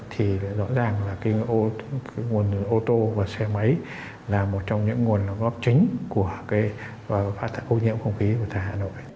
thì rõ ràng là cái nguồn ô tô và xe máy là một trong những nguồn đóng góp chính của cái ô nhiễm không khí của thành hà nội